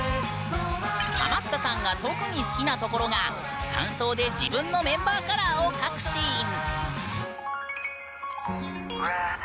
ハマったさんが特に好きなところが間奏で自分のメンバーカラーを描くシーン。